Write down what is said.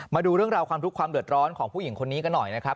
มาดูเรื่องราวความทุกข์ความเดือดร้อนของผู้หญิงคนนี้กันหน่อยนะครับ